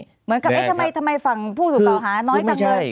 เหมือนกับทำไมฝั่งผู้ถูกเก่าหาน้อยจำเลย